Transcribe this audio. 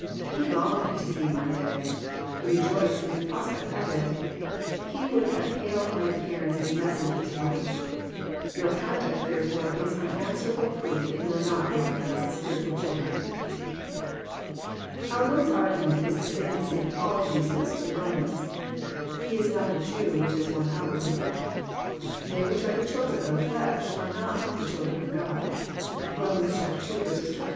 He longed to see My day. He rejoiced in the prospect of it. He would have hailed My appearance and message with delight. Your conduct, therefore, is an unanswerable proof that you are not Abraham's spiritual children." Our Lord's argument is the same that St. Paul uses to the Romans. "He is not a Jew which is one outwardly." —" They which are the children of the flesh are not the children of God." (Rom. ii.